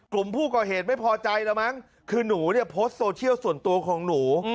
กลุ่มผู้ก่อเหตุไม่พอใจแล้วมั้งคือหนูเนี่ยโพสต์โซเชียลส่วนตัวของหนู